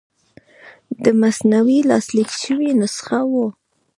د مثنوي لاسلیک شوې نسخه وه.